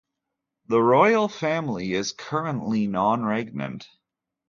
The royal family is currently non-regnant.